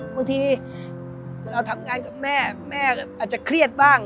บางทีเราทำงานกับแม่แม่อาจจะเครียดบ้าง